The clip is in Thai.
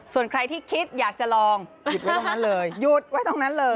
ส่วนใครที่คิดอยากจะลองหยุดไว้ตรงนั้นเลย